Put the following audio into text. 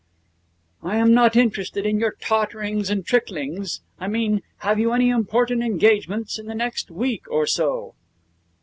I am not interested in your totterings and tricklings. I mean, have you any important engagements in the next week or so?'